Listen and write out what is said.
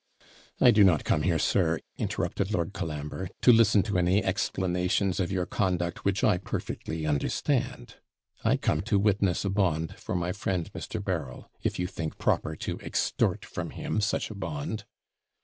'I do not come here, sir,' interrupted Lord Colambre, 'to listen to any explanations of your conduct, which I perfectly understand; I come to witness a bond for my friend Mr. Berryl, if you think proper to extort from him such a bond.'